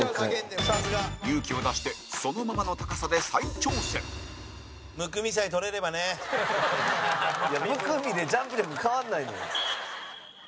勇気を出してそのままの高さで再挑戦むくみでジャンプ力変わんないのよ。